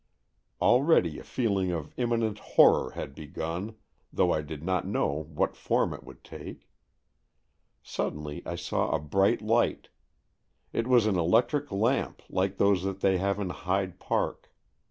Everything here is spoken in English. Already a feeling of imminent horror had begun, though I did not know what form it would take. Suddenly I saw a bright light. It was an electric lamp like those that they have in Hyde Park.